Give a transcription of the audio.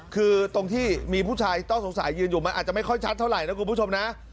คือตรงที่มีผู้ชายต้องสงสัยยืนอยู่มันอาจจะไม่ค่อยชัดเท่าไหร่นะคุณผู้ชมนะ